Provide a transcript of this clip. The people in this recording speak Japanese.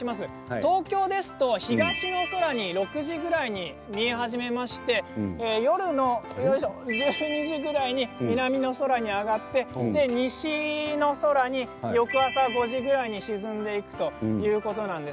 東京ですと東の空に６時ぐらいに見え始めまして夜の１２時ぐらいに南の空に上がって西の空に翌朝５時ぐらいに沈んでいくということなんです。